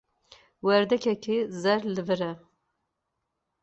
Werdekeke zer li vir e.